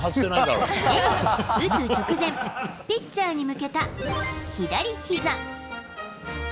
Ａ、打つ直前、ピッチャーに向けた左ひざ。